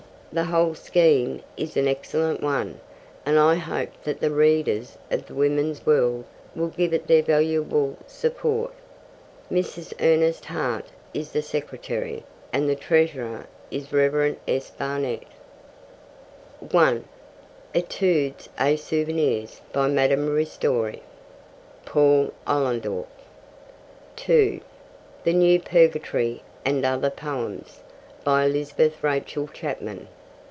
The whole scheme is an excellent one, and I hope that the readers of the Woman's World will give it their valuable support. Mrs. Ernest Hart was the secretary, and the treasurer is the Rev. S. Barnett. (1) Etudes et Souvenirs. By Madame Ristori. (Paul Ollendorff.) (2) The New Purgatory and Other Poems. By Elizabeth Rachel Chapman.